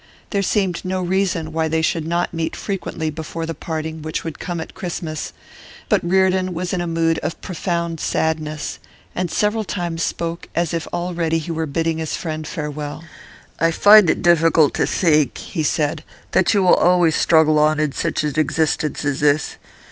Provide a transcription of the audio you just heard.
There seemed no reason why they should not meet frequently before the parting which would come at Christmas; but Reardon was in a mood of profound sadness, and several times spoke as if already he were bidding his friend farewell. 'I find it difficult to think,' he said, 'that you will always struggle on in such an existence as this.